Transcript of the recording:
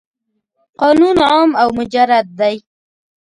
قانون عام او مجرد دی.